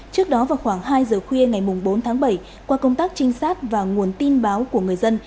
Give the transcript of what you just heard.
trước đó vào khoảng hai giờ khuya ngày bốn tháng bảy qua công tác trinh sát và nguồn tin báo của người dân